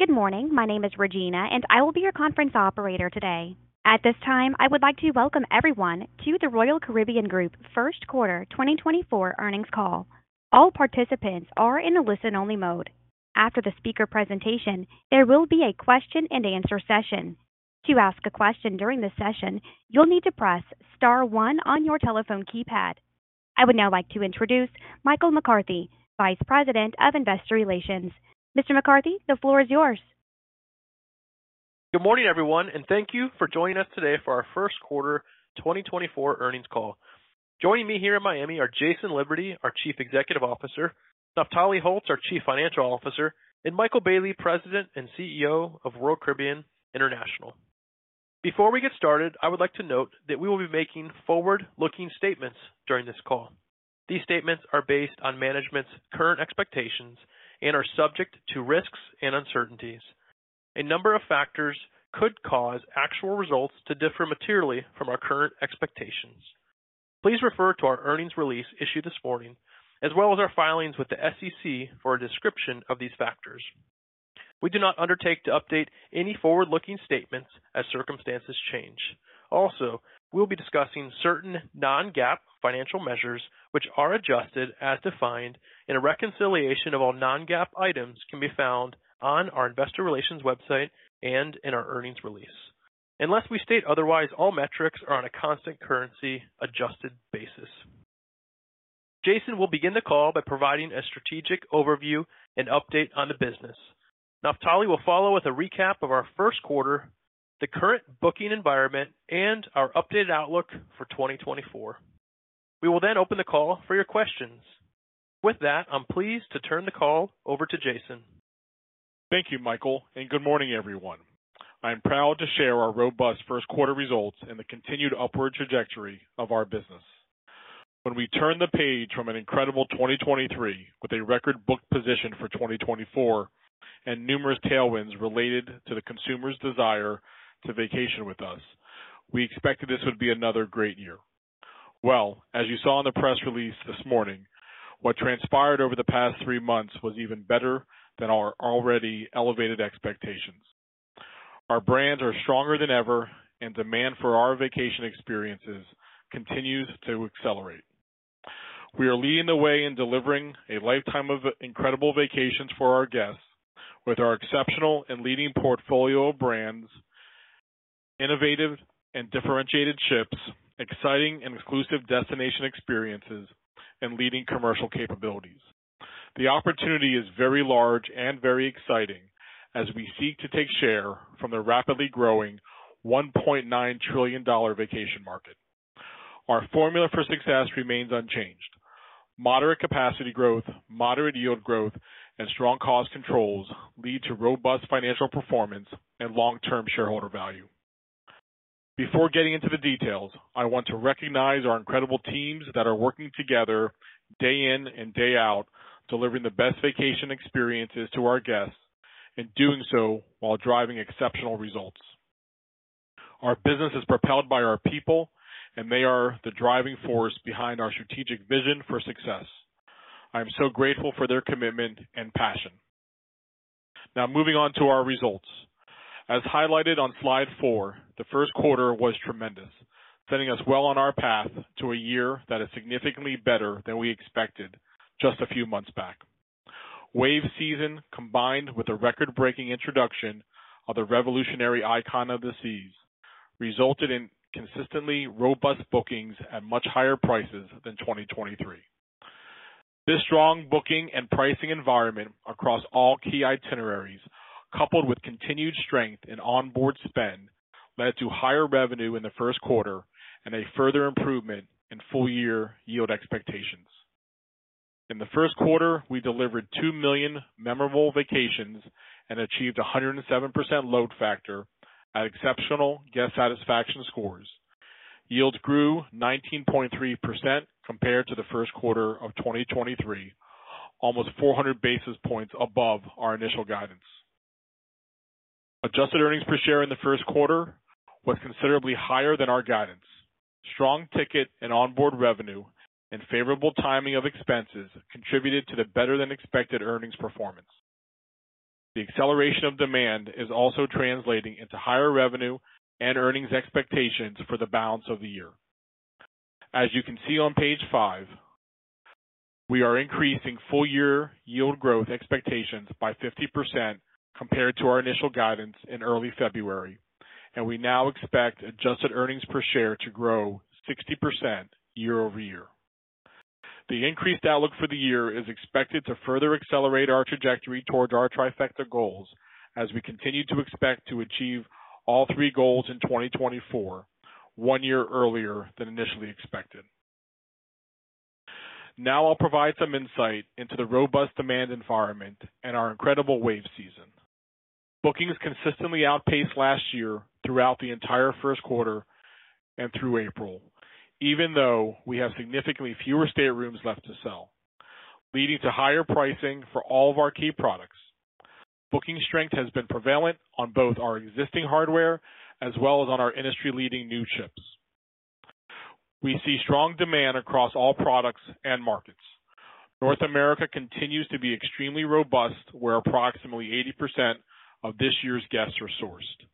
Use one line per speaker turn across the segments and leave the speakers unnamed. Good morning, my name is Regina and I will be your conference operator today. At this time I would like to welcome everyone to the Royal Caribbean Group Q1 2024 earnings call. All participants are in the listen-only mode. After the speaker presentation, there will be a question-and-answer session. To ask a question during the session, you'll need to press star one on your telephone keypad. I would now like to introduce Michael McCarthy, Vice President of Investor Relations. Mr. McCarthy, the floor is yours.
Good morning everyone, and thank you for joining us today for our Q1 2024 earnings call. Joining me here in Miami are Jason Liberty, our Chief Executive Officer; Naftali Holtz, our Chief Financial Officer; and Michael Bayley, President and CEO of Royal Caribbean International. Before we get started, I would like to note that we will be making forward-looking statements during this call. These statements are based on management's current expectations and are subject to risks and uncertainties. A number of factors could cause actual results to differ materially from our current expectations. Please refer to our earnings release issued this morning, as well as our filings with the SEC for a description of these factors. We do not undertake to update any forward-looking statements as circumstances change. Also, we will be discussing certain non-GAAP financial measures, which are adjusted as defined in a reconciliation of all non-GAAP items, can be found on our Investor Relations website and in our earnings release. Unless we state otherwise, all metrics are on a constant currency adjusted basis. Jason will begin the call by providing a strategic overview and update on the business. Naftali will follow with a recap of our Q1, the current booking environment, and our updated outlook for 2024. We will then open the call for your questions. With that, I'm pleased to turn the call over to Jason.
Thank you, Michael, and good morning everyone. I'm proud to share our robust Q1 results and the continued upward trajectory of our business. When we turn the page from an incredible 2023 with a record booked position for 2024 and numerous tailwinds related to the consumer's desire to vacation with us, we expected this would be another great year. Well, as you saw in the press release this morning, what transpired over the past three months was even better than our already elevated expectations. Our brands are stronger than ever, and demand for our vacation experiences continues to accelerate. We are leading the way in delivering a lifetime of incredible vacations for our guests with our exceptional and leading portfolio of brands, innovative and differentiated ships, exciting and exclusive destination experiences, and leading commercial capabilities. The opportunity is very large and very exciting as we seek to take share from the rapidly growing $1.9 trillion vacation market. Our formula for success remains unchanged: moderate capacity growth, moderate yield growth, and strong cost controls lead to robust financial performance and long-term shareholder value. Before getting into the details, I want to recognize our incredible teams that are working together day in and day out delivering the best vacation experiences to our guests and doing so while driving exceptional results. Our business is propelled by our people, and they are the driving force behind our strategic vision for success. I am so grateful for their commitment and passion. Now, moving on to our results. As highlighted on Slide four, the Q1 was tremendous, setting us well on our path to a year that is significantly better than we expected just a few months back. Wave Season, combined with the record-breaking introduction of the revolutionary Icon of the Seas, resulted in consistently robust bookings at much higher prices than 2023. This strong booking and pricing environment across all key itineraries, coupled with continued strength in onboard spend, led to higher revenue in the Q1 and a further improvement in full-year yield expectations. In the Q1, we delivered 2 million memorable vacations and achieved a 107% load factor at exceptional guest satisfaction scores. Yields grew 19.3% compared to the Q1 of 2023, almost 400 basis points above our initial guidance. Adjusted Earnings Per Share in the Q1 was considerably higher than our guidance. Strong ticket and onboard revenue and favorable timing of expenses contributed to the better-than-expected earnings performance. The acceleration of demand is also translating into higher revenue and earnings expectations for the balance of the year. As you can see on page 5, we are increasing full-year yield growth expectations by 50% compared to our initial guidance in early February, and we now expect Adjusted Earnings Per Share to grow 60% year-over-year. The increased outlook for the year is expected to further accelerate our trajectory towards our Trifecta goals as we continue to expect to achieve all three goals in 2024 one year earlier than initially expected. Now I'll provide some insight into the robust demand environment and our incredible Wave Season. Bookings consistently outpaced last year throughout the entire Q1 and through April, even though we have significantly fewer staterooms left to sell, leading to higher pricing for all of our key products. Booking strength has been prevalent on both our existing hardware as well as on our industry-leading new ships. We see strong demand across all products and markets. North America continues to be extremely robust where approximately 80% of this year's guests are sourced.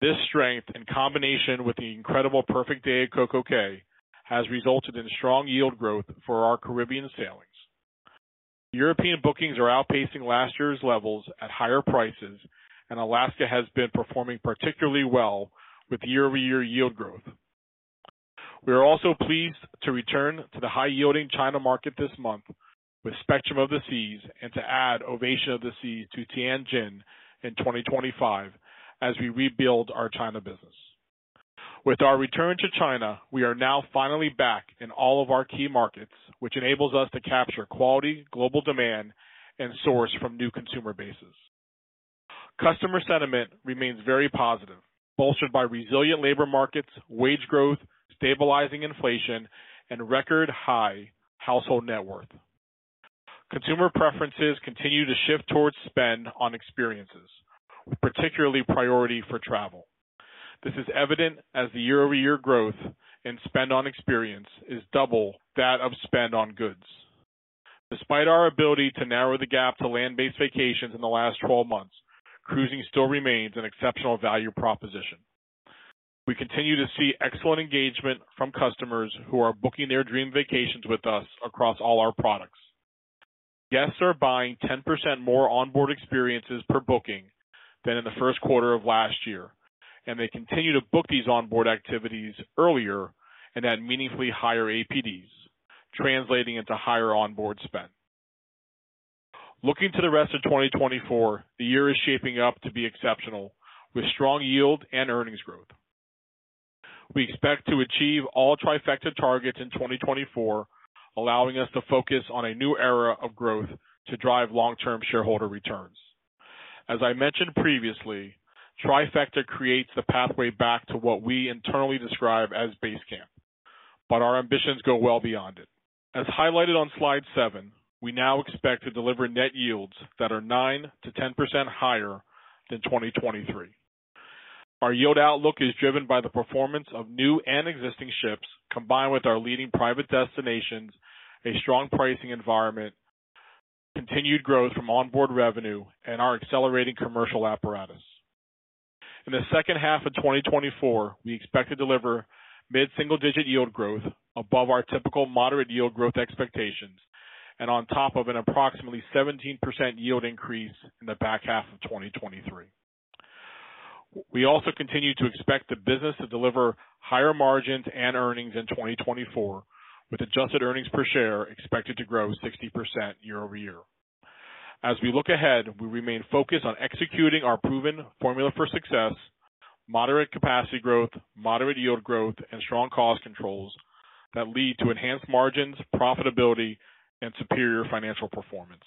This strength, in combination with the incredible Perfect Day at CocoCay, has resulted in strong yield growth for our Caribbean sailings. European bookings are outpacing last year's levels at higher prices, and Alaska has been performing particularly well with year-over-year yield growth. We are also pleased to return to the high-yielding China market this month with Spectrum of the Seas and to add Ovation of the Seas to Tianjin in 2025 as we rebuild our China business. With our return to China, we are now finally back in all of our key markets, which enables us to capture quality, global demand, and source from new consumer bases. Customer sentiment remains very positive, bolstered by resilient labor markets, wage growth, stabilizing inflation, and record-high household net worth. Consumer preferences continue to shift toward spend on experiences, with particularly priority for travel. This is evident as the year-over-year growth in spend on experience is double that of spend on goods. Despite our ability to narrow the gap to land-based vacations in the last 12 months, cruising still remains an exceptional value proposition. We continue to see excellent engagement from customers who are booking their dream vacations with us across all our products. Guests are buying 10% more onboard experiences per booking than in the Q1 of last year, and they continue to book these onboard activities earlier and at meaningfully higher APDs, translating into higher onboard spend. Looking to the rest of 2024, the year is shaping up to be exceptional, with strong yield and earnings growth. We expect to achieve all Trifecta targets in 2024, allowing us to focus on a new era of growth to drive long-term shareholder returns. As I mentioned previously, Trifecta creates the pathway back to what we internally describe as Base Camp, but our ambitions go well beyond it. As highlighted on Slide seven, we now expect to deliver net yields that are 9%-10% higher than 2023. Our yield outlook is driven by the performance of new and existing ships combined with our leading private destinations, a strong pricing environment, continued growth from onboard revenue, and our accelerating commercial apparatus. In the second half of 2024, we expect to deliver mid-single-digit yield growth above our typical moderate yield growth expectations and on top of an approximately 17% yield increase in the back half of 2023. We also continue to expect the business to deliver higher margins and earnings in 2024, with Adjusted Earnings Per Share expected to grow 60% year-over-year. As we look ahead, we remain focused on executing our proven formula for success: moderate capacity growth, moderate yield growth, and strong cost controls that lead to enhanced margins, profitability, and superior financial performance.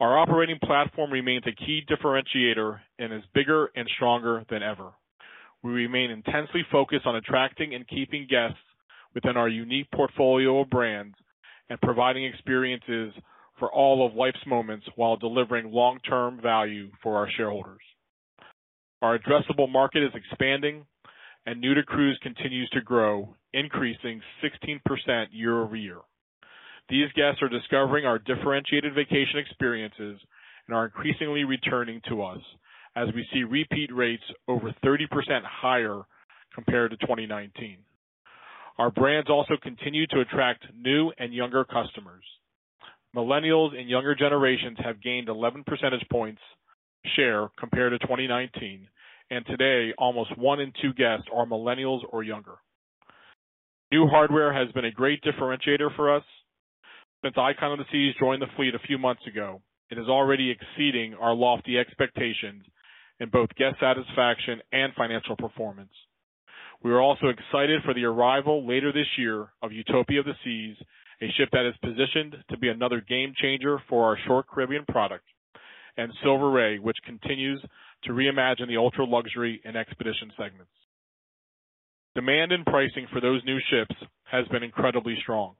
Our operating platform remains a key differentiator and is bigger and stronger than ever. We remain intensely focused on attracting and keeping guests within our unique portfolio of brands and providing experiences for all of life's moments while delivering long-term value for our shareholders. Our addressable market is expanding, and New-to-Cruise continues to grow, increasing 16% year-over-year. These guests are discovering our differentiated vacation experiences and are increasingly returning to us as we see repeat rates over 30% higher compared to 2019. Our brands also continue to attract new and younger customers. Millennials and younger generations have gained 11 percentage points share compared to 2019, and today almost one in two guests are millennials or younger. New hardware has been a great differentiator for us. Since Icon of the Seas joined the fleet a few months ago, it is already exceeding our lofty expectations in both guest satisfaction and financial performance. We are also excited for the arrival later this year of Utopia of the Seas, a ship that is positioned to be another game-changer for our short Caribbean product, and Silver Ray, which continues to reimagine the ultra-luxury and expedition segments. Demand and pricing for those new ships has been incredibly strong.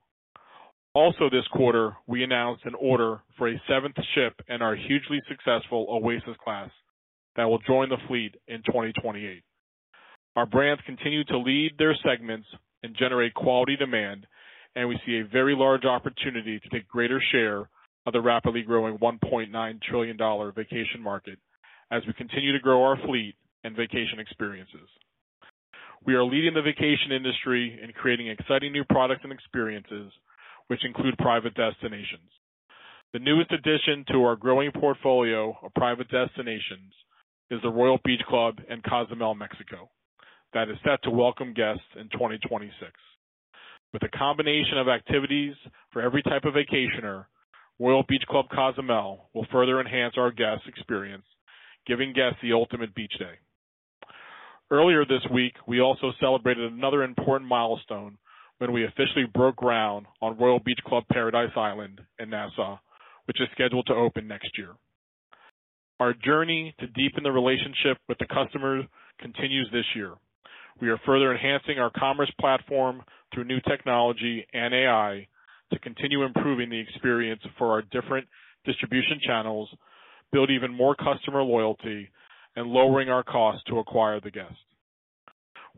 Also, this quarter, we announced an order for a seventh ship in our hugely successful Oasis Class that will join the fleet in 2028. Our brands continue to lead their segments and generate quality demand, and we see a very large opportunity to take greater share of the rapidly growing $1.9 trillion vacation market as we continue to grow our fleet and vacation experiences. We are leading the vacation industry in creating exciting new products and experiences, which include private destinations. The newest addition to our growing portfolio of private destinations is the Royal Beach Club Cozumel, Mexico, that is set to welcome guests in 2026. With a combination of activities for every type of vacationer, Royal Beach Club Cozumel will further enhance our guest experience, giving guests the ultimate beach day. Earlier this week, we also celebrated another important milestone when we officially broke ground on Royal Beach Club Paradise Island in Nassau, which is scheduled to open next year. Our journey to deepen the relationship with the customers continues this year. We are further enhancing our commerce platform through new technology and AI to continue improving the experience for our different distribution channels, build even more customer loyalty, and lowering our cost to acquire the guest.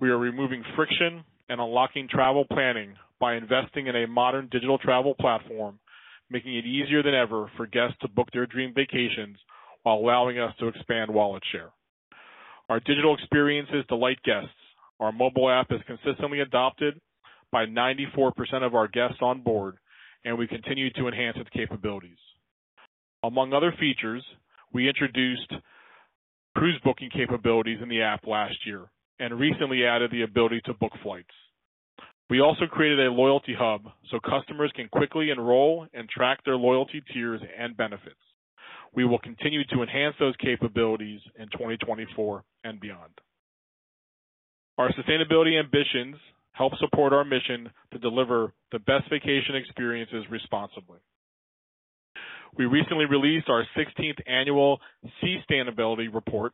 We are removing friction and unlocking travel planning by investing in a modern digital travel platform, making it easier than ever for guests to book their dream vacations while allowing us to expand wallet share. Our digital experiences delight guests. Our mobile app is consistently adopted by 94% of our guests on board, and we continue to enhance its capabilities. Among other features, we introduced cruise booking capabilities in the app last year and recently added the ability to book flights. We also created a loyalty hub so customers can quickly enroll and track their loyalty tiers and benefits. We will continue to enhance those capabilities in 2024 and beyond. Our sustainability ambitions help support our mission to deliver the best vacation experiences responsibly. We recently released our 16th annual Sea Sustainability Report,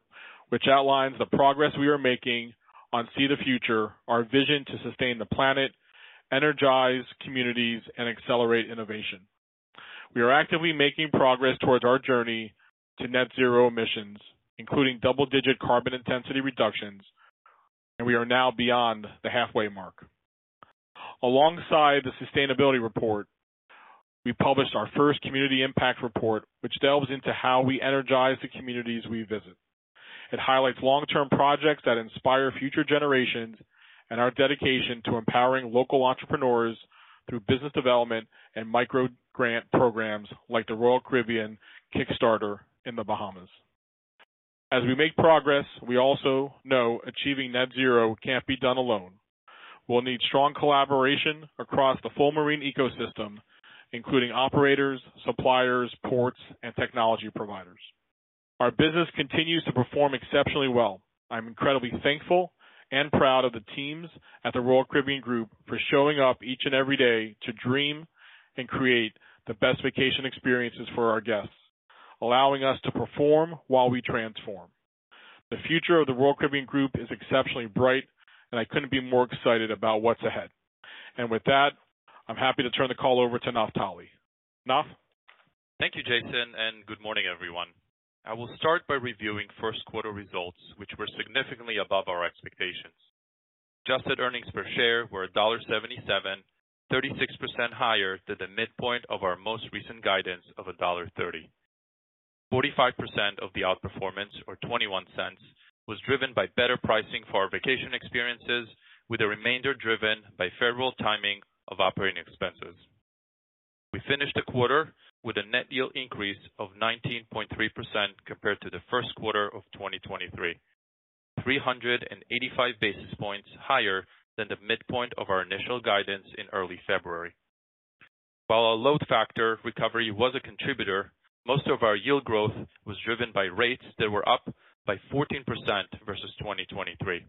which outlines the progress we are making on SEA the Future, our vision to sustain the planet, energize communities, and accelerate innovation. We are actively making progress towards our journey to net-zero emissions, including double-digit carbon intensity reductions, and we are now beyond the halfway mark. Alongside the Sustainability Report, we published our first Community Impact Report, which delves into how we energize the communities we visit. It highlights long-term projects that inspire future generations and our dedication to empowering local entrepreneurs through business development and micro-grant programs like the Royal Caribbean Kickstarter in the Bahamas. As we make progress, we also know achieving net-zero can't be done alone. We'll need strong collaboration across the full marine ecosystem, including operators, suppliers, ports, and technology providers. Our business continues to perform exceptionally well. I'm incredibly thankful and proud of the teams at the Royal Caribbean Group for showing up each and every day to dream and create the best vacation experiences for our guests, allowing us to perform while we transform. The future of the Royal Caribbean Group is exceptionally bright, and I couldn't be more excited about what's ahead. And with that, I'm happy to turn the call over to Naftali. Naf?
Thank you, Jason, and good morning, everyone. I will start by reviewing Q1 results, which were significantly above our expectations. Adjusted Earnings Per Share were $1.77, 36% higher than the midpoint of our most recent guidance of $1.30. 45% of the outperformance, or $0.21, was driven by better pricing for our vacation experiences, with the remainder driven by favorable timing of operating expenses. We finished the quarter with a net yield increase of 19.3% compared to the Q1 of 2023, 385 basis points higher than the midpoint of our initial guidance in early February. While our load factor recovery was a contributor, most of our yield growth was driven by rates that were up by 14% versus 2023.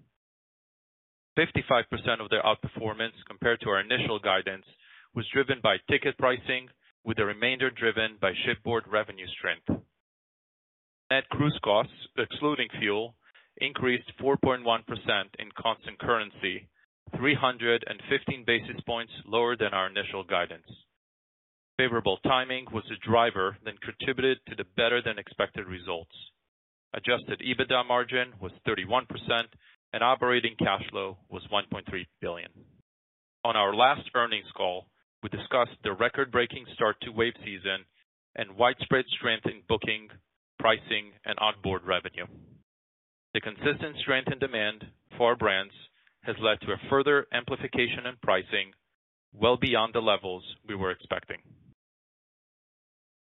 55% of the outperformance compared to our initial guidance was driven by ticket pricing, with the remainder driven by shipboard revenue strength. Net cruise costs, excluding fuel, increased 4.1% in constant currency, 315 basis points lower than our initial guidance. Favorable timing was the driver that contributed to the better-than-expected results. Adjusted EBITDA margin was 31%, and operating cash flow was $1.3 billion. On our last earnings call, we discussed the record-breaking start to Wave season and widespread strength in booking, pricing, and onboard revenue. The consistent strength in demand for our brands has led to a further amplification in pricing, well beyond the levels we were expecting.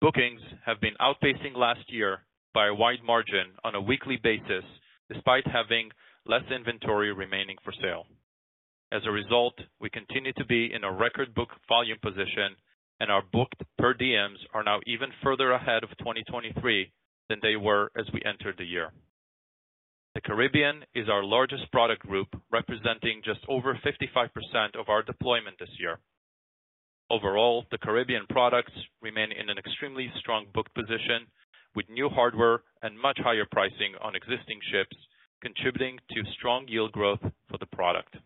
Bookings have been outpacing last year by a wide margin on a weekly basis despite having less inventory remaining for sale. As a result, we continue to be in a record book volume position, and our booked per diems are now even further ahead of 2023 than they were as we entered the year. The Caribbean is our largest product group, representing just over 55% of our deployment this year. Overall, the Caribbean products remain in an extremely strong booked position, with new hardware and much higher pricing on existing ships contributing to strong yield growth for the product.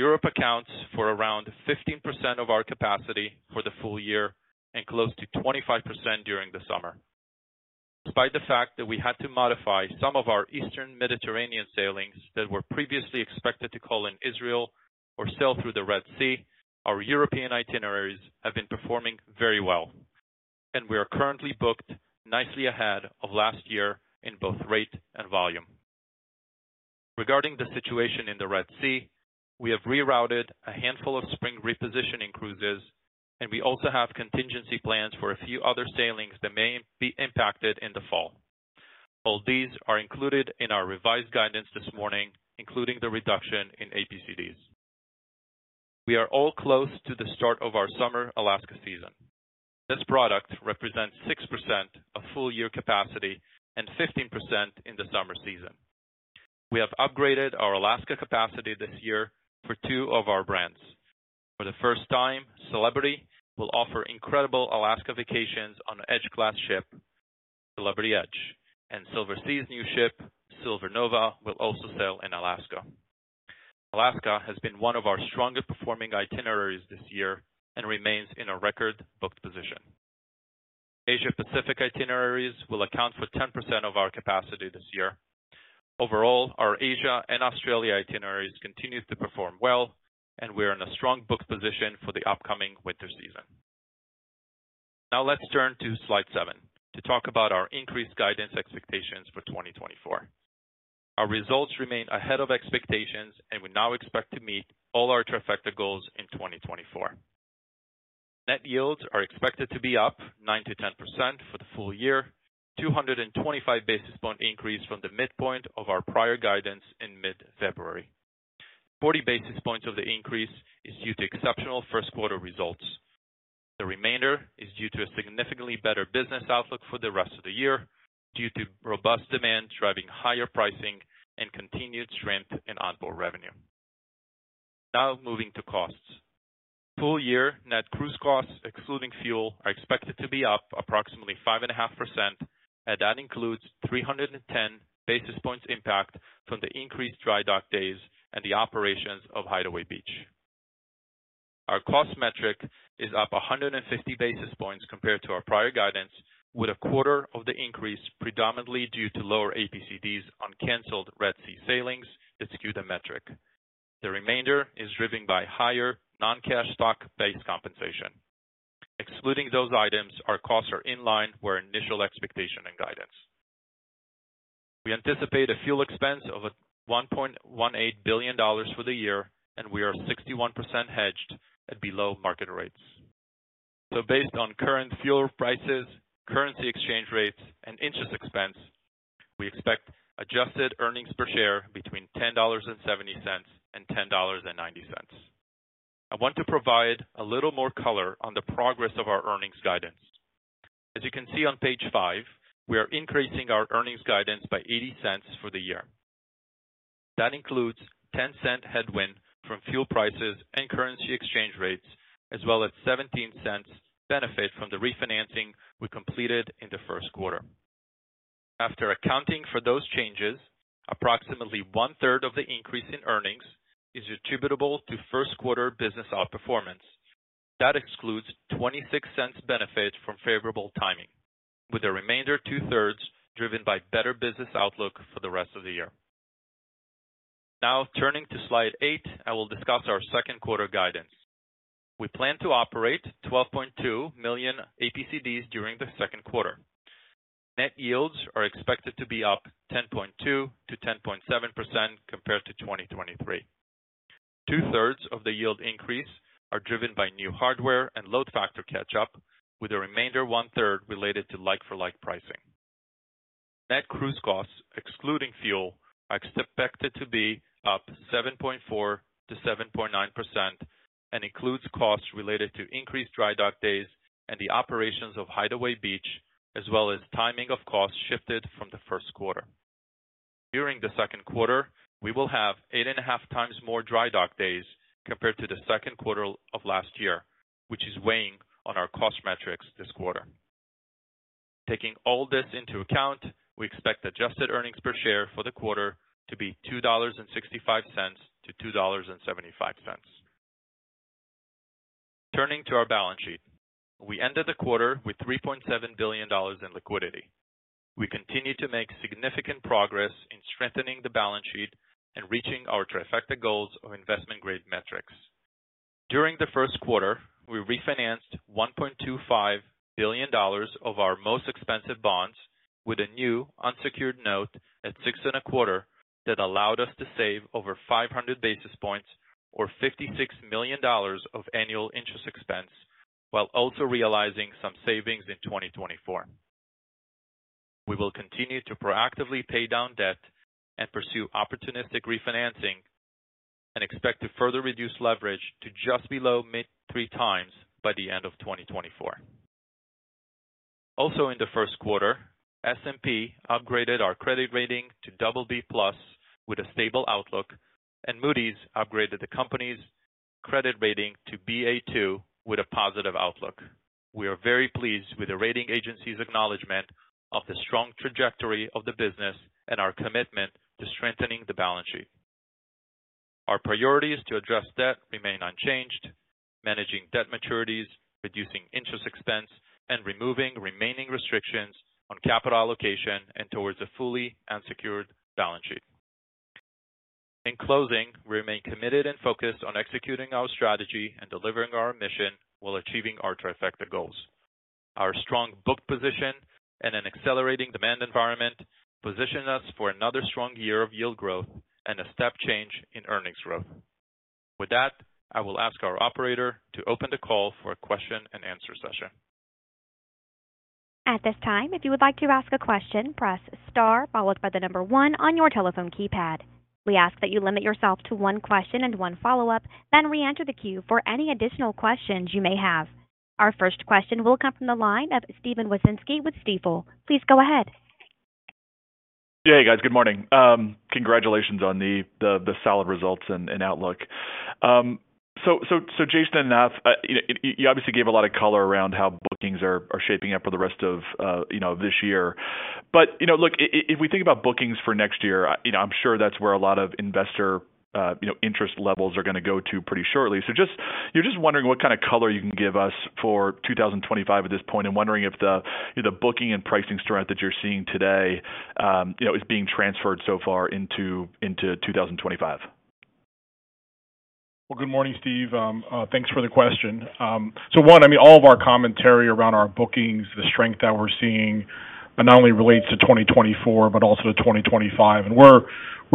Europe accounts for around 15% of our capacity for the full year and close to 25% during the summer. Despite the fact that we had to modify some of our Eastern Mediterranean sailings that were previously expected to call in Israel or sail through the Red Sea, our European itineraries have been performing very well, and we are currently booked nicely ahead of last year in both rate and volume. Regarding the situation in the Red Sea, we have rerouted a handful of spring repositioning cruises, and we also have contingency plans for a few other sailings that may be impacted in the fall. All these are included in our revised guidance this morning, including the reduction in APCDs. We are all close to the start of our summer Alaska season. This product represents 6% of full-year capacity and 15% in the summer season. We have upgraded our Alaska capacity this year for two of our brands. For the first time, Celebrity will offer incredible Alaska vacations on an Edge-class ship, Celebrity Edge, and Silversea's new ship, Silver Nova, will also sail in Alaska. Alaska has been one of our strongest performing itineraries this year and remains in a record booked position. Asia-Pacific itineraries will account for 10% of our capacity this year. Overall, our Asia and Australia itineraries continue to perform well, and we are in a strong booked position for the upcoming winter season. Now let's turn to Slide seven to talk about our increased guidance expectations for 2024. Our results remain ahead of expectations, and we now expect to meet all our trifecta goals in 2024. Net yields are expected to be up 9%-10% for the full year, a 225 basis point increase from the midpoint of our prior guidance in mid-February. 40 basis points of the increase is due to exceptional Q1results. The remainder is due to a significantly better business outlook for the rest of the year, due to robust demand driving higher pricing and continued strength in onboard revenue. Now moving to costs. Full-year net cruise costs, excluding fuel, are expected to be up approximately 5.5%, and that includes 310 basis points impact from the increased dry dock days and the operations of Hideaway Beach. Our cost metric is up 150 basis points compared to our prior guidance, with a quarter of the increase predominantly due to lower APCDs on canceled Red Sea sailings that skew the metric. The remainder is driven by higher non-cash stock-based compensation. Excluding those items, our costs are in line with our initial expectation and guidance. We anticipate a fuel expense of $1.18 billion for the year, and we are 61% hedged at below-market rates. So based on current fuel prices, currency exchange rates, and interest expense, we expect Adjusted Earnings Per Share between $10.70 and $10.90. I want to provide a little more color on the progress of our earnings guidance. As you can see on page 5, we are increasing our earnings guidance by $0.80 for the year. That includes $0.10 headwind from fuel prices and currency exchange rates, as well as $0.17 benefit from the refinancing we completed in the Q1. After accounting for those changes, approximately one-third of the increase in earnings is attributable to Q1 business outperformance. That excludes $0.26 benefit from favorable timing, with the remainder two-thirds driven by better business outlook for the rest of the year. Now turning to Slide eight, I will discuss our Q2 guidance. We plan to operate 12.2 million APCDs during the Q2. Net yields are expected to be up 10.2%-10.7% compared to 2023. Two-thirds of the yield increase are driven by new hardware and load factor catch-up, with the remainder one-third related to like-for-like pricing. Net Cruise Costs, excluding fuel, are expected to be up 7.4%-7.9% and include costs related to increased dry dock days and the operations of Hideaway Beach, as well as timing of costs shifted from the Q1. During the Q2, we will have 8.5 times more dry dock days compared to the Q2 of last year, which is weighing on our cost metrics this quarter. Taking all this into account, we expect Adjusted Earnings Per Share for the quarter to be $2.65-$2.75. Turning to our balance sheet, we ended the quarter with $3.7 billion in liquidity. We continue to make significant progress in strengthening the balance sheet and reaching our Trifecta goals of investment-grade metrics. During the Q1, we refinanced $1.25 billion of our most expensive bonds with a new unsecured note at 6.25% that allowed us to save over 500 basis points, or $56 million of annual interest expense, while also realizing some savings in 2024. We will continue to proactively pay down debt and pursue opportunistic refinancing, and expect to further reduce leverage to just below mid-3x by the end of 2024. Also in the Q1, S&P upgraded our credit rating to BB+ with a stable outlook, and Moody's upgraded the company's credit rating to Ba2 with a positive outlook. We are very pleased with the rating agency's acknowledgment of the strong trajectory of the business and our commitment to strengthening the balance sheet. Our priorities to address debt remain unchanged: managing debt maturities, reducing interest expense, and removing remaining restrictions on capital allocation and towards a fully unsecured balance sheet. In closing, we remain committed and focused on executing our strategy and delivering our mission while achieving our Trifecta goals. Our strong booked position and an accelerating demand environment position us for another strong year of yield growth and a step change in earnings growth. With that, I will ask our operator to open the call for a question-and-answer session.
At this time, if you would like to ask a question, press star followed by one on your telephone keypad. We ask that you limit yourself to one question and one follow-up, then re-enter the queue for any additional questions you may have. Our first question will come from the line of Steven Wieczynski with Stifel. Please go ahead.
Yeah, hey guys, good morning. Congratulations on the solid results and outlook. So Jason and Naftali, you obviously gave a lot of color around how bookings are shaping up for the rest of this year. But look, if we think about bookings for next year, I'm sure that's where a lot of investor interest levels are going to go to pretty shortly. So you're just wondering what kind of color you can give us for 2025 at this point and wondering if the booking and pricing strength that you're seeing today is being transferred so far into 2025.
Well, good morning, Steve. Thanks for the question. So one, I mean, all of our commentary around our bookings, the strength that we're seeing, not only relates to 2024 but also to 2025. And we're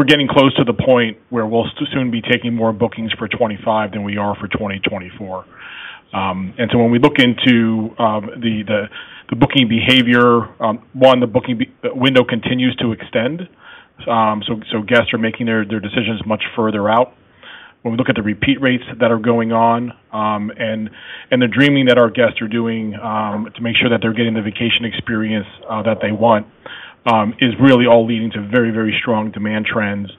getting close to the point where we'll soon be taking more bookings for 2025 than we are for 2024. And so when we look into the booking behavior, one, the booking window continues to extend, so guests are making their decisions much further out. When we look at the repeat rates that are going on and the dreaming that our guests are doing to make sure that they're getting the vacation experience that they want is really all leading to very, very strong demand trends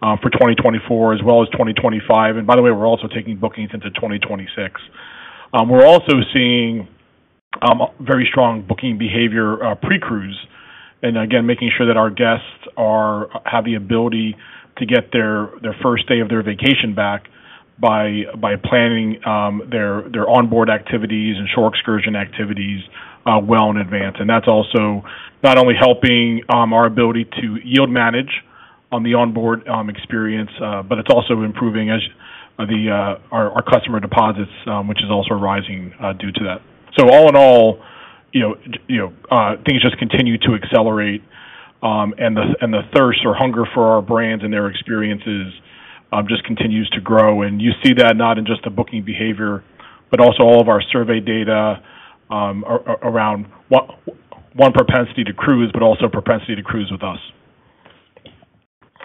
for 2024 as well as 2025. And by the way, we're also taking bookings into 2026. We're also seeing very strong booking behavior pre-cruise, and again, making sure that our guests have the ability to get their first day of their vacation back by planning their onboard activities and shore excursion activities well in advance. That's also not only helping our ability to yield manage on the onboard experience, but it's also improving our customer deposits, which is also rising due to that. All in all, things just continue to accelerate, and the thirst or hunger for our brands and their experiences just continues to grow. You see that not just in the booking behavior, but also all of our survey data around our propensity to cruise, but also propensity to cruise with us.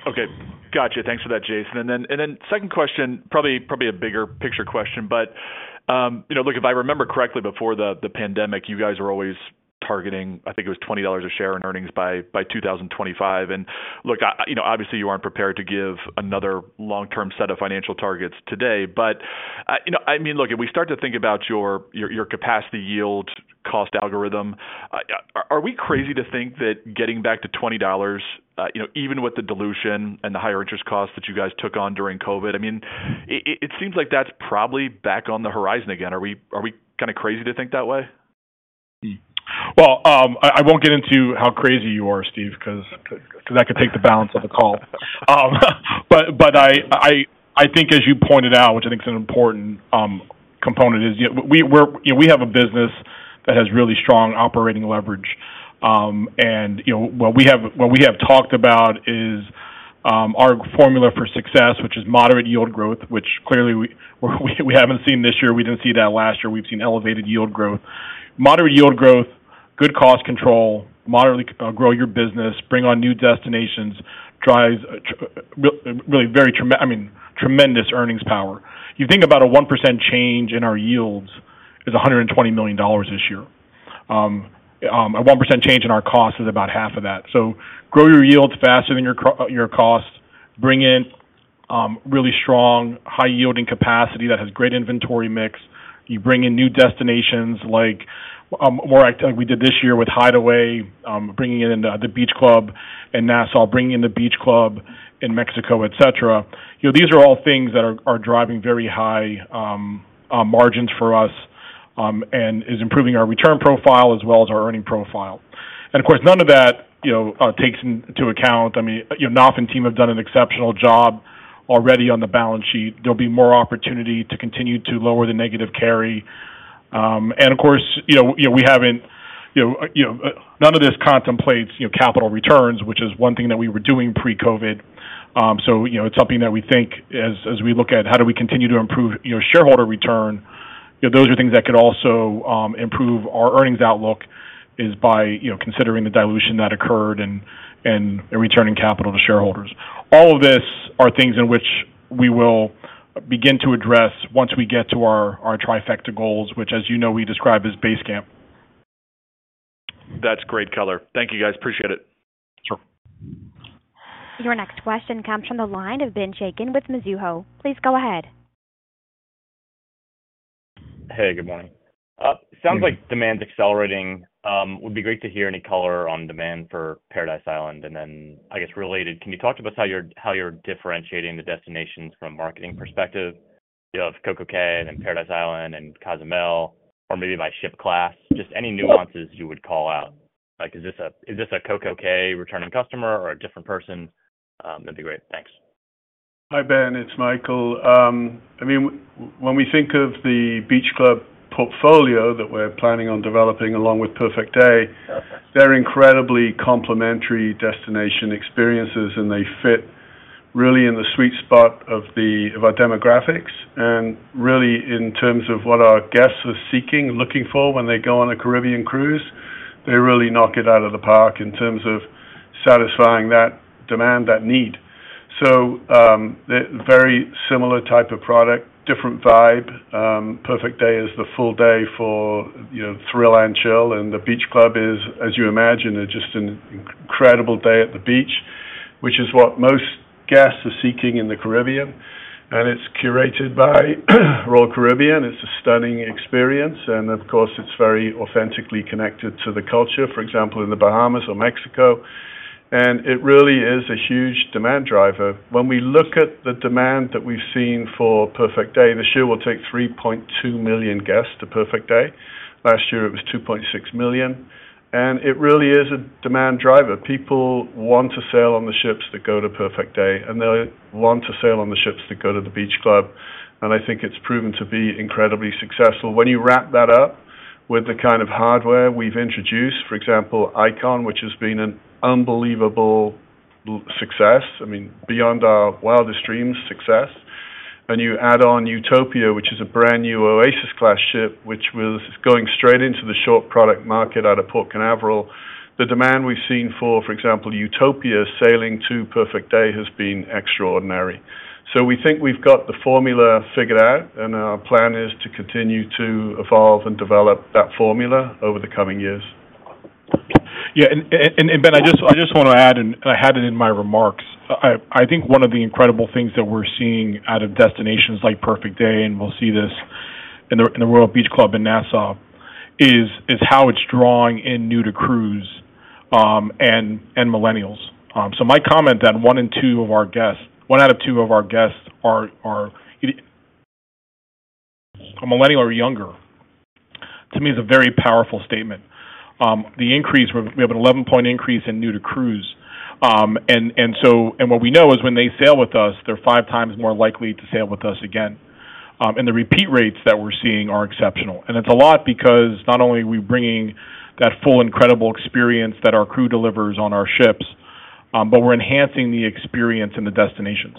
Okay. Gotcha. Thanks for that, Jason. And then second question, probably a bigger picture question. But look, if I remember correctly, before the pandemic, you guys were always targeting, I think it was $20 a share in earnings by 2025. And look, obviously, you aren't prepared to give another long-term set of financial targets today. But I mean, look, if we start to think about your capacity yield cost algorithm, are we crazy to think that getting back to $20, even with the dilution and the higher interest costs that you guys took on during COVID, I mean, it seems like that's probably back on the horizon again. Are we kind of crazy to think that way?
Well, I won't get into how crazy you are, Steve, because that could take the balance of the call. But I think, as you pointed out, which I think is an important component, is we have a business that has really strong operating leverage. And what we have talked about is our formula for success, which is moderate yield growth, which clearly we haven't seen this year. We didn't see that last year. We've seen elevated yield growth. Moderate yield growth, good cost control, moderately grow your business, bring on new destinations, drives really very tremendous earnings power. You think about a 1% change in our yields is $120 million this year. A 1% change in our costs is about half of that. So grow your yields faster than your costs, bring in really strong, high-yielding capacity that has great inventory mix. You bring in new destinations like we did this year with Hideaway, bringing in the beach club in Nassau, bringing in the beach club in Mexico, etc. These are all things that are driving very high margins for us and is improving our return profile as well as our earning profile. And of course, none of that takes into account. I mean, Naftali and the team have done an exceptional job already on the balance sheet. There'll be more opportunity to continue to lower the negative carry. And of course, we haven't none of this contemplates capital returns, which is one thing that we were doing pre-COVID. So it's something that we think as we look at how do we continue to improve shareholder return, those are things that could also improve our earnings outlook is by considering the dilution that occurred and returning capital to shareholders. All of these are things in which we will begin to address once we get to our Trifecta goals, which, as you know, we describe as Base Camp.
That's great color. Thank you, guys. Appreciate it.
Sure. Your next question comes from the line of Ben Chaiken with Mizuho. Please go ahead.
Hey, good morning. Sounds like demand's accelerating. Would be great to hear any color on demand for Paradise Island. And then I guess related, can you talk to us how you're differentiating the destinations from a marketing perspective of CocoCay and then Paradise Island and Cozumel, or maybe by ship class? Just any nuances you would call out. Is this a CocoCay returning customer or a different person? That'd be great. Thanks.
Hi Ben. It's Michael. I mean, when we think of the beach club portfolio that we're planning on developing along with Perfect Day, they're incredibly complementary destination experiences, and they fit really in the sweet spot of our demographics. And really, in terms of what our guests are seeking, looking for when they go on a Caribbean cruise, they really knock it out of the park in terms of satisfying that demand, that need. So very similar type of product, different vibe. Perfect Day is the full day for thrill and chill, and the beach club is, as you imagine, just an incredible day at the beach, which is what most guests are seeking in the Caribbean. And it's curated by Royal Caribbean. It's a stunning experience. And of course, it's very authentically connected to the culture, for example, in the Bahamas or Mexico. It really is a huge demand driver. When we look at the demand that we've seen for Perfect Day, this year we'll take 3.2 million guests to Perfect Day. Last year, it was 2.6 million. It really is a demand driver. People want to sail on the ships that go to Perfect Day, and they want to sail on the ships that go to the beach club. I think it's proven to be incredibly successful. When you wrap that up with the kind of hardware we've introduced, for example, ICON, which has been an unbelievable success, I mean, beyond our wildest dreams, success, and you add on Utopia, which is a brand new Oasis-class ship, which is going straight into the short product market out of Port Canaveral, the demand we've seen, for example, for Utopia sailing to Perfect Day has been extraordinary. We think we've got the formula figured out, and our plan is to continue to evolve and develop that formula over the coming years.
Yeah. And Ben, I just want to add, and I had it in my remarks, I think one of the incredible things that we're seeing out of destinations like Perfect Day - and we'll see this in the Royal Beach Club in Nassau - is how it's drawing in new to cruise and millennials. So my comment that one in two of our guests, one out of two of our guests, are millennial or younger, to me, is a very powerful statement. We have an 11-point increase in new to cruise. And what we know is when they sail with us, they're five times more likely to sail with us again. And the repeat rates that we're seeing are exceptional. And it's a lot because not only are we bringing that full, incredible experience that our crew delivers on our ships, but we're enhancing the experience in the destinations.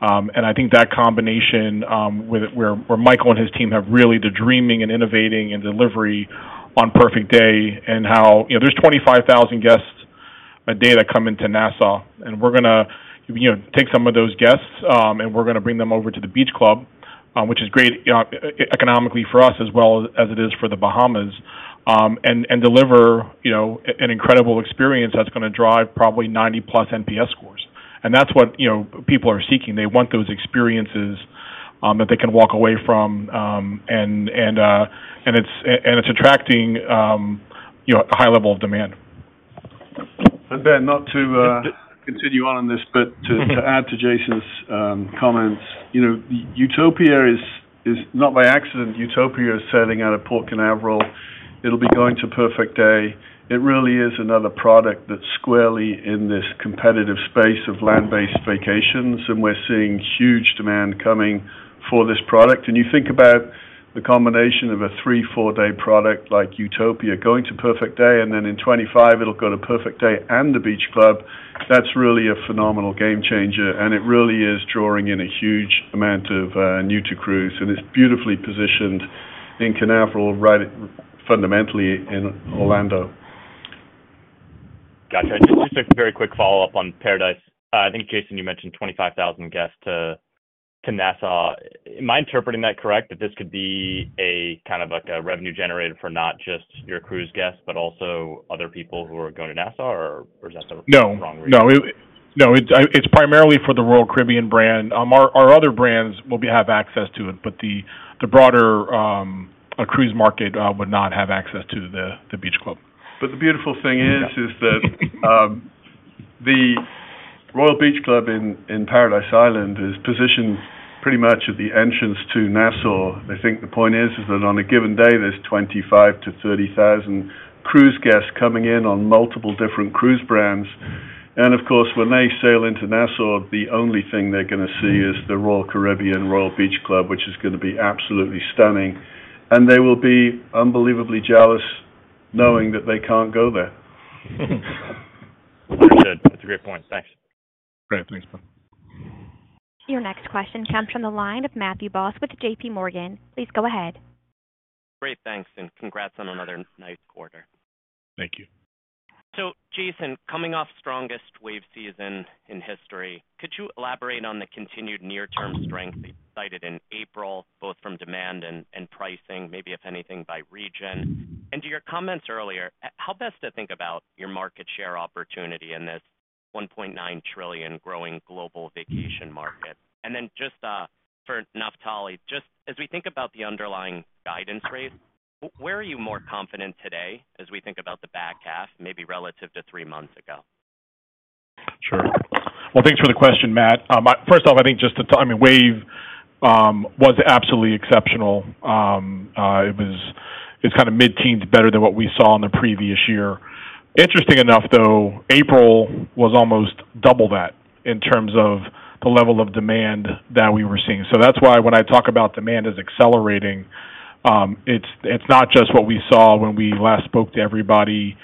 And I think that combination where Michael and his team have really the dreaming and innovating and delivery on Perfect Day and how there's 25,000 guests a day that come into Nassau, and we're going to take some of those guests, and we're going to bring them over to the beach club, which is great economically for us as well as it is for the Bahamas, and deliver an incredible experience that's going to drive probably 90+ NPS scores. And that's what people are seeking. They want those experiences that they can walk away from, and it's attracting a high level of demand.
And Ben, not to continue on this, but to add to Jason's comments, Utopia is not by accident. Utopia is sailing out of Port Canaveral. It'll be going to Perfect Day. It really is another product that's squarely in this competitive space of land-based vacations, and we're seeing huge demand coming for this product. And you think about the combination of a 3- and 4-day product like Utopia going to Perfect Day, and then in 2025, it'll go to Perfect Day and the beach club, that's really a phenomenal game-changer. And it really is drawing in a huge amount of new to cruise, and it's beautifully positioned in Canaveral, fundamentally in Orlando.
Gotcha. Just a very quick follow-up on Paradise. I think, Jason, you mentioned 25,000 guests to Nassau. Am I interpreting that correct, that this could be kind of a revenue generator for not just your cruise guests, but also other people who are going to Nassau, or is that the wrong reading?
No. No. It's primarily for the Royal Caribbean brand. Our other brands will have access to it, but the broader cruise market would not have access to the beach club.
But the beautiful thing is that the Royal Beach Club in Paradise Island is positioned pretty much at the entrance to Nassau. I think the point is that on a given day, there's 25,000-30,000 cruise guests coming in on multiple different cruise brands. And of course, when they sail into Nassau, the only thing they're going to see is the Royal Caribbean Royal Beach Club, which is going to be absolutely stunning. And they will be unbelievably jealous knowing that they can't go there.
Understood. That's a great point. Thanks.
Great. Thanks, Ben.
Your next question comes from the line of Matthew Boss with JPMorgan. Please go ahead.
Great. Thanks. Congrats on another nice quarter.
Thank you.
Jason, coming off strongest Wave Season in history, could you elaborate on the continued near-term strength that you cited in April, both from demand and pricing, maybe if anything by region? To your comments earlier, how best to think about your market share opportunity in this $1.9 trillion growing global vacation market? Then just for Naftali, just as we think about the underlying guidance rates, where are you more confident today as we think about the back half, maybe relative to three months ago?
Sure. Well, thanks for the question, Matt. First off, I think, just to—I mean, Wave was absolutely exceptional. It's kind of mid-teens, better than what we saw in the previous year. Interesting enough, though, April was almost double that in terms of the level of demand that we were seeing. So that's why when I talk about demand as accelerating, it's not just what we saw when we last spoke to everybody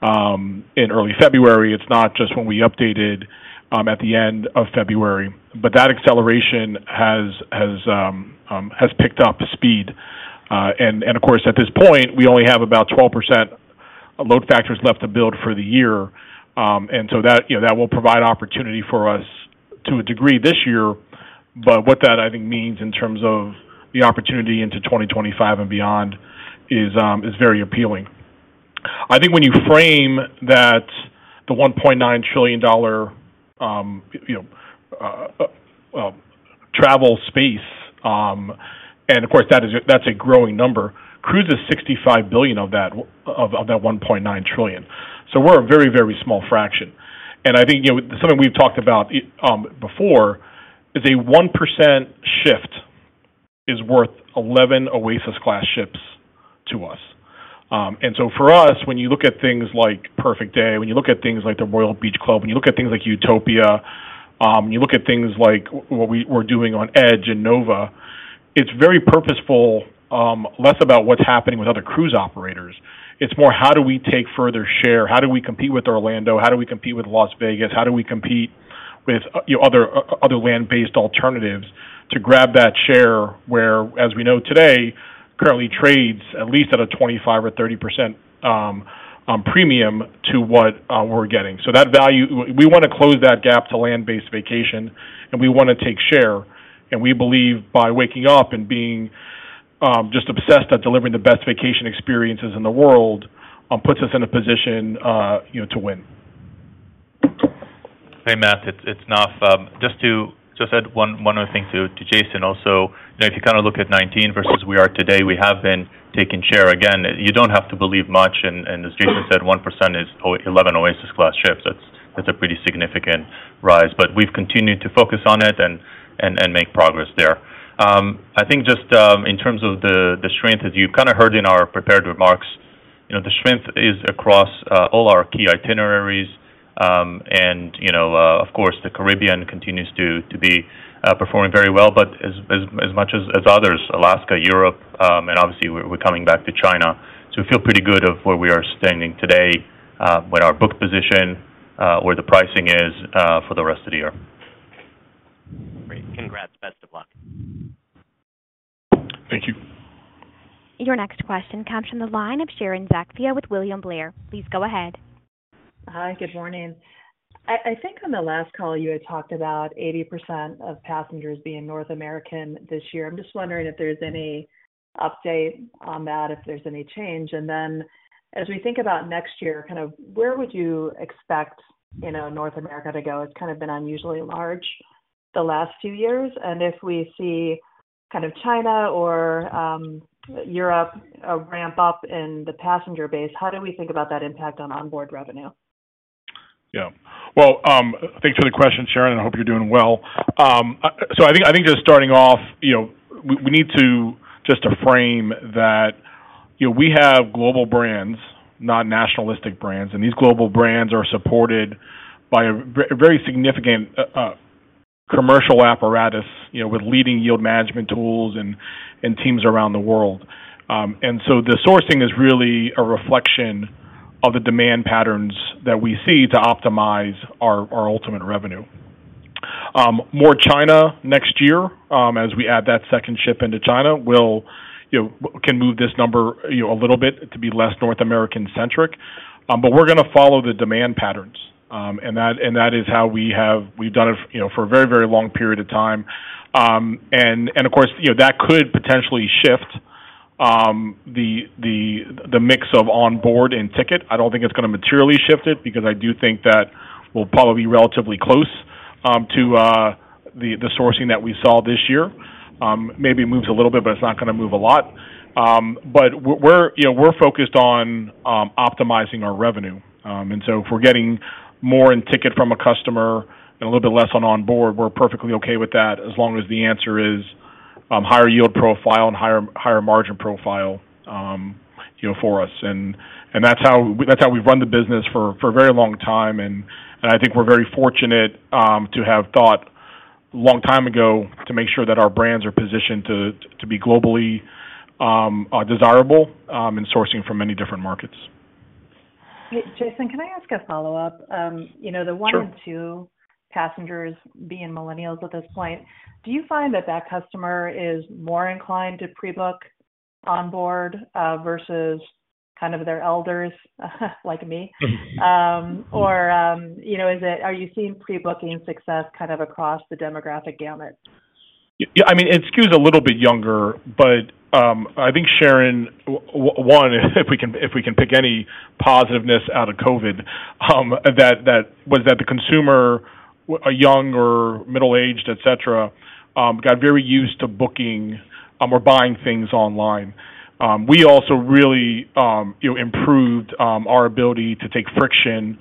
in early February. It's not just when we updated at the end of February. But that acceleration has picked up speed. And of course, at this point, we only have about 12% load factors left to build for the year. And so that will provide opportunity for us to a degree this year. But what that, I think, means in terms of the opportunity into 2025 and beyond is very appealing. I think when you frame that the $1.9 trillion travel space, and of course, that's a growing number, cruise is $65 billion of that $1.9 trillion. So we're a very, very small fraction. And I think something we've talked about before is a 1% shift is worth 11 Oasis-class ships to us. And so for us, when you look at things like Perfect Day, when you look at things like the Royal Beach Club, when you look at things like Utopia, when you look at things like what we're doing on Edge and Nova, it's very purposeful, less about what's happening with other cruise operators. It's more how do we take further share? How do we compete with Orlando? How do we compete with Las Vegas? How do we compete with other land-based alternatives to grab that share where, as we know today, currently trades, at least at a 25% or 30% premium, to what we're getting? So we want to close that gap to land-based vacation, and we want to take share. And we believe by waking up and being just obsessed at delivering the best vacation experiences in the world puts us in a position to win.
Hey, Matt. Just to add one more thing to Jason also, if you kind of look at 2019 versus we are today, we have been taking share. Again, you don't have to believe much. And as Jason said, 1% is 11 Oasis-class ships. That's a pretty significant rise. But we've continued to focus on it and make progress there. I think just in terms of the strength, as you've kind of heard in our prepared remarks, the strength is across all our key itineraries. And of course, the Caribbean continues to be performing very well, but as much as others, Alaska, Europe, and obviously, we're coming back to China. So we feel pretty good of where we are standing today, what our book position, where the pricing is for the rest of the year.
Great. Congrats. Best of luck.
Thank you.
Your next question comes from the line of Sharon Zackfia with William Blair. Please go ahead.
Hi. Good morning. I think on the last call, you had talked about 80% of passengers being North American this year. I'm just wondering if there's any update on that, if there's any change. And then as we think about next year, kind of where would you expect North America to go? It's kind of been unusually large the last few years. And if we see kind of China or Europe ramp up in the passenger base, how do we think about that impact on onboard revenue?
Yeah. Well, thanks for the question, Sharon. I hope you're doing well. So I think just starting off, we need to just frame that we have global brands, not nationalistic brands. These global brands are supported by a very significant commercial apparatus with leading yield management tools and teams around the world. So the sourcing is really a reflection of the demand patterns that we see to optimize our ultimate revenue. More China next year, as we add that second ship into China, can move this number a little bit to be less North American-centric. But we're going to follow the demand patterns. That is how we've done it for a very, very long period of time. Of course, that could potentially shift the mix of onboard and ticket. I don't think it's going to materially shift it because I do think that we'll probably be relatively close to the sourcing that we saw this year. Maybe it moves a little bit, but it's not going to move a lot. We're focused on optimizing our revenue. So if we're getting more in ticket from a customer and a little bit less on onboard, we're perfectly okay with that as long as the answer is higher yield profile and higher margin profile for us. That's how we've run the business for a very long time. I think we're very fortunate to have thought a long time ago to make sure that our brands are positioned to be globally desirable in sourcing from many different markets.
Jason, can I ask a follow-up? The 1 in 2 passengers being Millennials at this point, do you find that that customer is more inclined to pre-book onboard versus kind of their elders like me? Or are you seeing pre-booking success kind of across the demographic gamut?
I mean, SKU is a little bit younger. But I think, Sharon, one, if we can pick any positiveness out of COVID, was that the consumer, young or middle-aged, etc., got very used to booking or buying things online. We also really improved our ability to take friction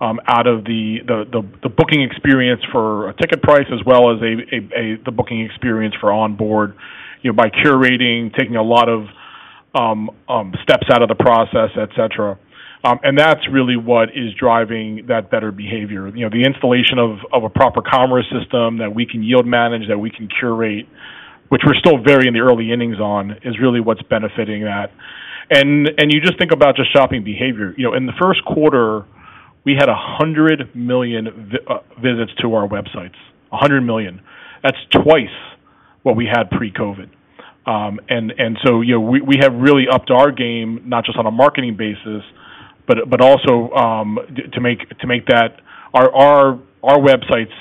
out of the booking experience for a ticket price as well as the booking experience for onboard by curating, taking a lot of steps out of the process, etc. And that's really what is driving that better behavior. The installation of a proper commerce system that we can yield manage, that we can curate, which we're still very in the early innings on, is really what's benefiting that. And you just think about just shopping behavior. In the Q1, we had 100 million visits to our websites, 100 million. That's twice what we had pre-COVID. And so we have really upped our game, not just on a marketing basis, but also to make that our websites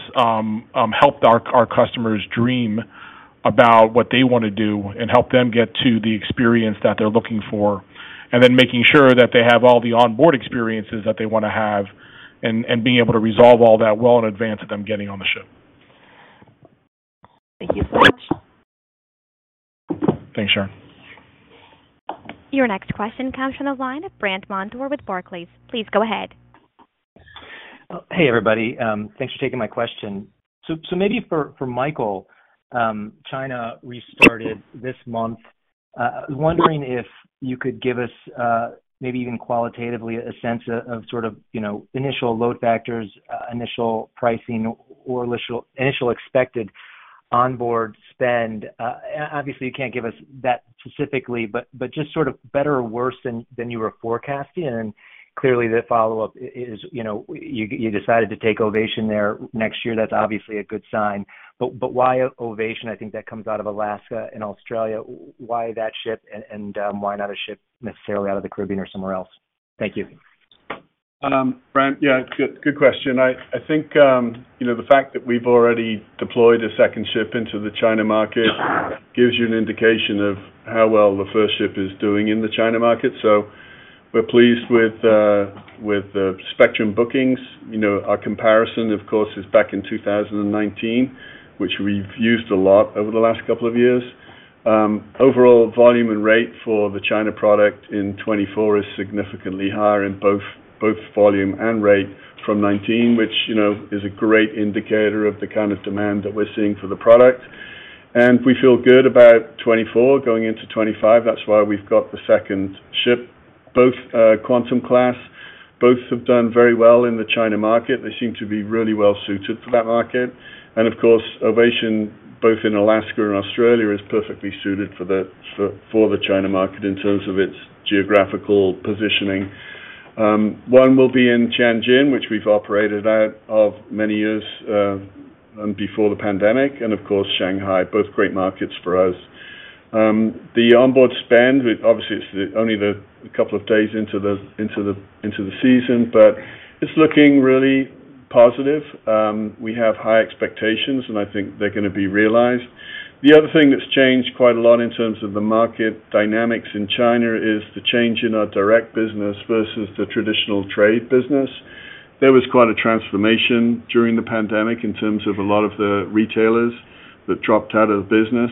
help our customers dream about what they want to do and help them get to the experience that they're looking for, and then making sure that they have all the onboard experiences that they want to have and being able to resolve all that well in advance of them getting on the ship.
Thank you so much.
Thanks, Sharon.
Your next question comes from the line of Brandt Montour with Barclays. Please go ahead.
Hey, everybody. Thanks for taking my question. So maybe for Michael, China restarted this month. I was wondering if you could give us maybe even qualitatively a sense of sort of initial load factors, initial pricing, or initial expected onboard spend. Obviously, you can't give us that specifically, but just sort of better or worse than you were forecasting. And clearly, the follow-up is you decided to take Ovation there next year. That's obviously a good sign. But why Ovation? I think that comes out of Alaska and Australia. Why that ship, and why not a ship necessarily out of the Caribbean or somewhere else? Thank you.
Brent, yeah, good question. I think the fact that we've already deployed a second ship into the China market gives you an indication of how well the first ship is doing in the China market. So we're pleased with the Spectrum bookings. Our comparison, of course, is back in 2019, which we've used a lot over the last couple of years. Overall volume and rate for the China product in 2024 is significantly higher in both volume and rate from 2019, which is a great indicator of the kind of demand that we're seeing for the product. And we feel good about 2024 going into 2025. That's why we've got the second ship, both Quantum Class. Both have done very well in the China market. They seem to be really well-suited for that market. And of course, Ovation, both in Alaska and Australia, is perfectly suited for the China market in terms of its geographical positioning. One will be in Tianjin, which we've operated out of many years before the pandemic, and of course, Shanghai, both great markets for us. The onboard spend, obviously, it's only a couple of days into the season, but it's looking really positive. We have high expectations, and I think they're going to be realized. The other thing that's changed quite a lot in terms of the market dynamics in China is the change in our direct business versus the traditional trade business. There was quite a transformation during the pandemic in terms of a lot of the retailers that dropped out of the business.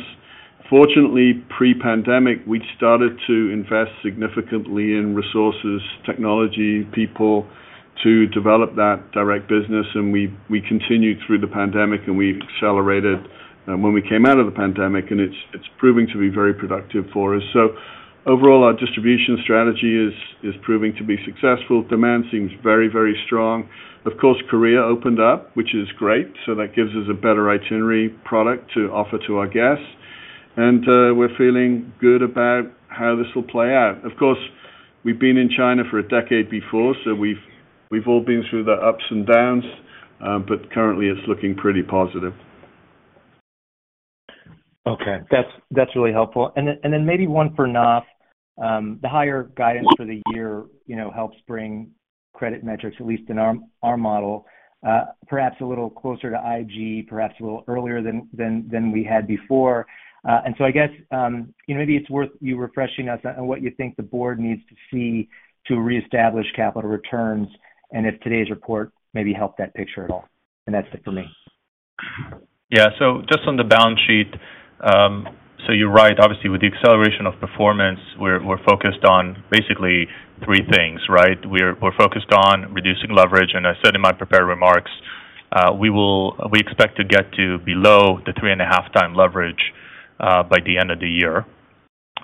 Fortunately, pre-pandemic, we started to invest significantly in resources, technology, people to develop that direct business. And we continued through the pandemic, and we've accelerated when we came out of the pandemic. And it's proving to be very productive for us. So overall, our distribution strategy is proving to be successful. Demand seems very, very strong. Of course, Korea opened up, which is great. So that gives us a better itinerary product to offer to our guests. And we're feeling good about how this will play out. Of course, we've been in China for a decade before, so we've all been through the ups and downs. But currently, it's looking pretty positive.
Okay. That's really helpful. And then maybe one for Naftali. The higher guidance for the year helps bring credit metrics, at least in our model, perhaps a little closer to IG, perhaps a little earlier than we had before. And so I guess maybe it's worth you refreshing us on what you think the board needs to see to reestablish capital returns and if today's report maybe helped that picture at all. And that's it for me.
Yeah. So just on the balance sheet, so you're right. Obviously, with the acceleration of performance, we're focused on basically three things, right? We're focused on reducing leverage. And I said in my prepared remarks, we expect to get to below the 3.5x leverage by the end of the year.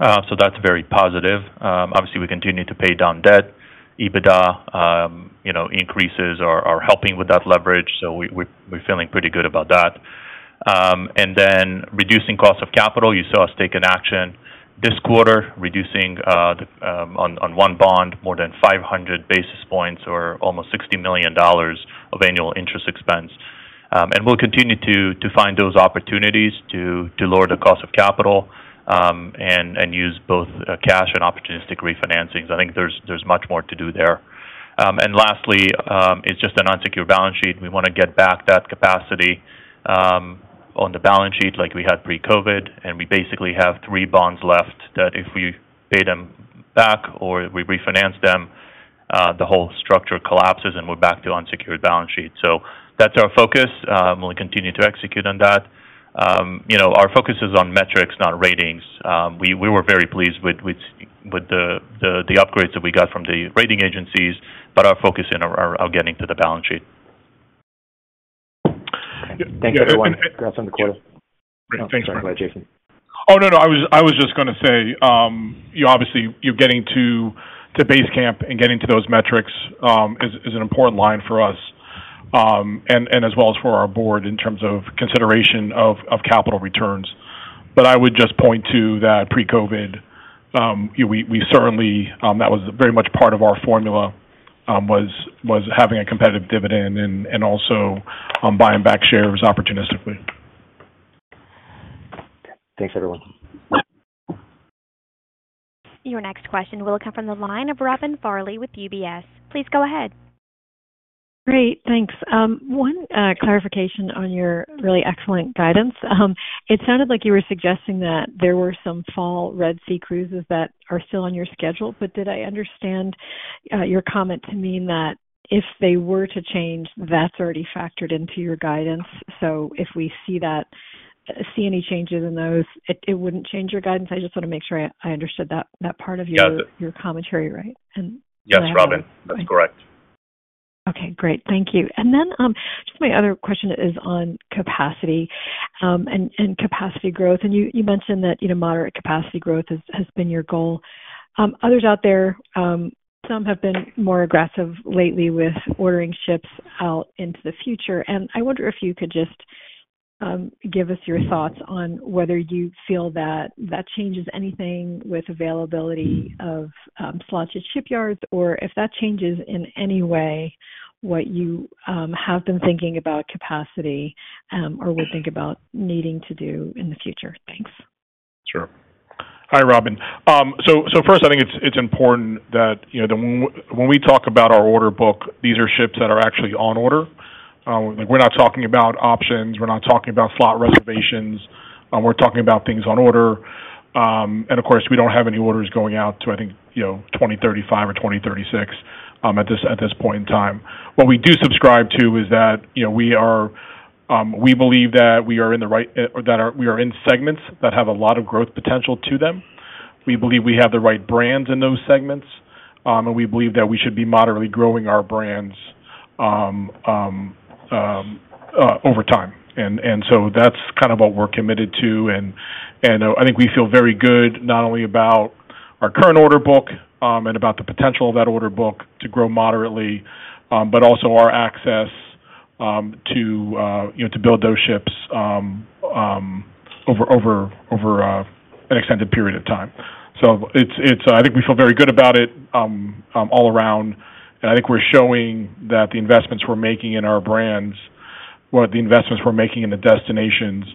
So that's very positive. Obviously, we continue to pay down debt. EBITDA increases are helping with that leverage. So we're feeling pretty good about that. And then reducing cost of capital. You saw us take an action this quarter, reducing on one bond more than 500 basis points or almost $60 million of annual interest expense. And we'll continue to find those opportunities to lower the cost of capital and use both cash and opportunistic refinancings. I think there's much more to do there. And lastly, it's just an unsecured balance sheet. We want to get back that capacity on the balance sheet like we had pre-COVID. And we basically have three bonds left that if we pay them back or we refinance them, the whole structure collapses, and we're back to unsecured balance sheet. So that's our focus. We'll continue to execute on that. Our focus is on metrics, not ratings. We were very pleased with the upgrades that we got from the rating agencies, but our focus are getting to the balance sheet.
Thanks, everyone. That's on the quarter.
Thanks, Brandt. Sorry to interrupt Jason.
Oh, no, no. I was just going to say, obviously, getting to Base Camp and getting to those metrics is an important line for us as well as for our board in terms of consideration of capital returns. But I would just point to that pre-COVID, we certainly that was very much part of our formula, was having a competitive dividend and also buying back shares opportunistically.
Thanks, everyone.
Your next question will come from the line of Robin Farley with UBS. Please go ahead.
Great. Thanks. One clarification on your really excellent guidance. It sounded like you were suggesting that there were some fall Red Sea cruises that are still on your schedule. But did I understand your comment to mean that if they were to change, that's already factored into your guidance? So if we see any changes in those, it wouldn't change your guidance? I just want to make sure I understood that part of your commentary, right?
Yes, Robin. That's correct.
Okay. Great. Thank you. And then just my other question is on capacity and capacity growth. And you mentioned that moderate capacity growth has been your goal. Others out there, some have been more aggressive lately with ordering ships out into the future. And I wonder if you could just give us your thoughts on whether you feel that changes anything with availability of slotted shipyards or if that changes in any way what you have been thinking about capacity or would think about needing to do in the future. Thanks.
Sure. Hi, Robin. So first, I think it's important that when we talk about our order book, these are ships that are actually on order. We're not talking about options. We're not talking about slot reservations. We're talking about things on order. And of course, we don't have any orders going out to, I think, 2035 or 2036 at this point in time. What we do subscribe to is that we believe that we are in the right that we are in segments that have a lot of growth potential to them. We believe we have the right brands in those segments. And we believe that we should be moderately growing our brands over time. And so that's kind of what we're committed to. I think we feel very good not only about our current order book and about the potential of that order book to grow moderately, but also our access to build those ships over an extended period of time. I think we feel very good about it all around. I think we're showing that the investments we're making in our brands, the investments we're making in the destinations,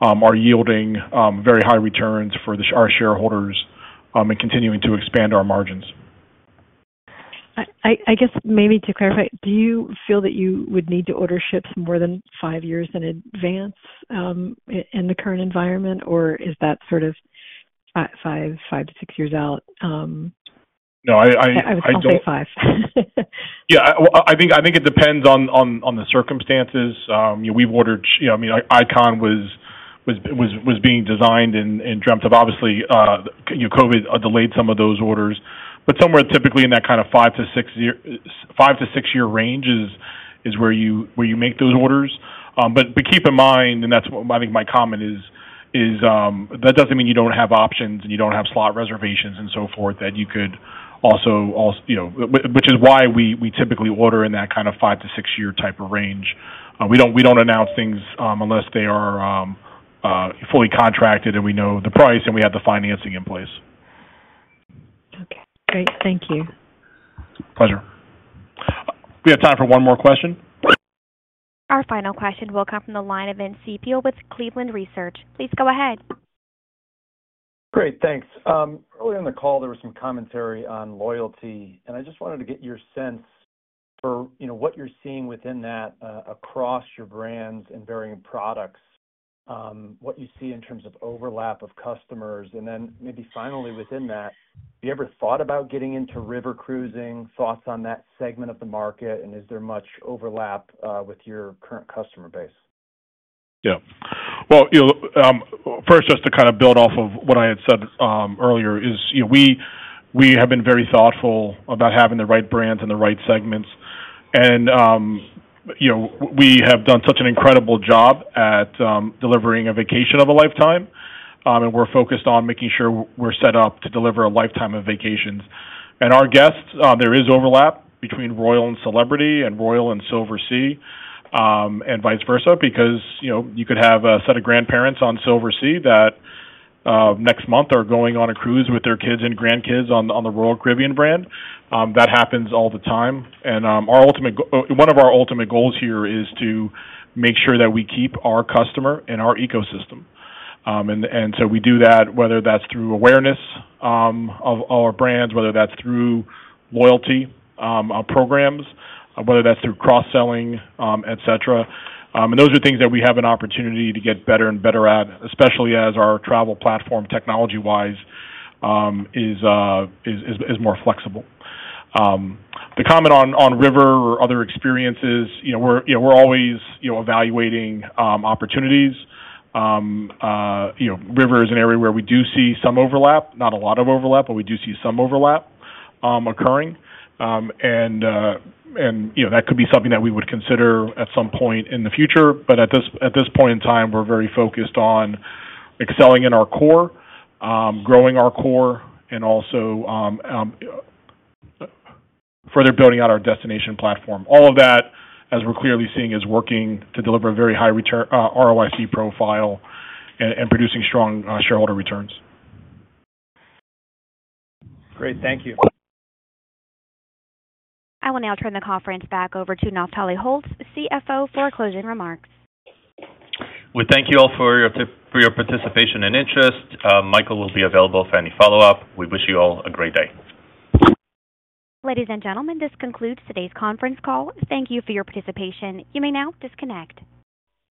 are yielding very high returns for our shareholders and continuing to expand our margins.
I guess maybe to clarify, do you feel that you would need to order ships more than 5 years in advance in the current environment, or is that sort of five-six years out?
No, I don't.
I was going to say five.
Yeah. I think it depends on the circumstances. We've ordered Icon was being designed and dreamt of. Obviously, COVID delayed some of those orders. But somewhere typically in that kind of five-six-year range is where you make those orders. But keep in mind, and that's what I think my comment is, that doesn't mean you don't have options and you don't have slot reservations and so forth that you could also which is why we typically order in that kind of five-six-year type of range. We don't announce things unless they are fully contracted and we know the price and we have the financing in place.
Okay. Great. Thank you.
Pleasure. We have time for one more question.
Our final question will come from the line of Vince Ciepiel with Cleveland Research. Please go ahead.
Great. Thanks. Early on the call, there was some commentary on loyalty. I just wanted to get your sense for what you're seeing within that across your brands and varying products, what you see in terms of overlap of customers. Then maybe finally within that, have you ever thought about getting into river cruising, thoughts on that segment of the market, and is there much overlap with your current customer base?
Yeah. Well, first, just to kind of build off of what I had said earlier, is we have been very thoughtful about having the right brands and the right segments. And we have done such an incredible job at delivering a vacation of a lifetime. And we're focused on making sure we're set up to deliver a lifetime of vacations. And our guests, there is overlap between Royal and Celebrity and Royal and Silversea and vice versa because you could have a set of grandparents on Silversea that next month are going on a cruise with their kids and grandkids on the Royal Caribbean brand. That happens all the time. And one of our ultimate goals here is to make sure that we keep our customer in our ecosystem. And so we do that whether that's through awareness of our brands, whether that's through loyalty programs, whether that's through cross-selling, etc. And those are things that we have an opportunity to get better and better at, especially as our travel platform technology-wise is more flexible. The comment on river or other experiences, we're always evaluating opportunities. River is an area where we do see some overlap, not a lot of overlap, but we do see some overlap occurring. And that could be something that we would consider at some point in the future. But at this point in time, we're very focused on excelling in our core, growing our core, and also further building out our destination platform. All of that, as we're clearly seeing, is working to deliver a very high ROIC profile and producing strong shareholder returns.
Great. Thank you.
I will now turn the conference back over to Naftali Holtz, CFO, for closing remarks.
We thank you all for your participation and interest. Michael will be available for any follow-up. We wish you all a great day.
Ladies and gentlemen, this concludes today's conference call. Thank you for your participation. You may now disconnect.